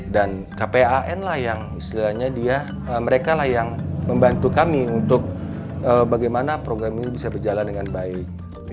dan kpan lah yang istilahnya dia mereka lah yang membantu kami untuk bagaimana program ini bisa berjalan dengan baik